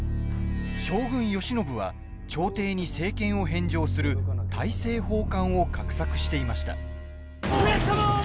将軍・慶喜は朝廷に政権を返上する大政奉還を画策していました。